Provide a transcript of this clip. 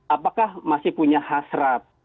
apakah masih punya hasrat